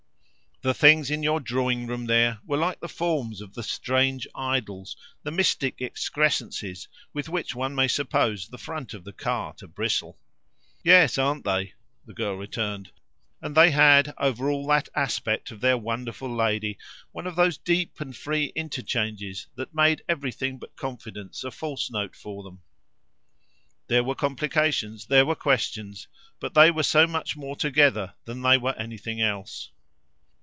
The things in your drawing room there were like the forms of the strange idols, the mystic excrescences, with which one may suppose the front of the car to bristle." "Yes, aren't they?" the girl returned; and they had, over all that aspect of their wonderful lady, one of those deep and free interchanges that made everything but confidence a false note for them. There were complications, there were questions; but they were so much more together than they were anything else.